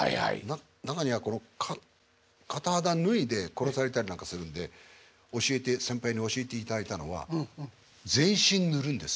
中には片肌脱いで殺されたりなんかするんで先輩に教えていただいたのは全身塗るんです。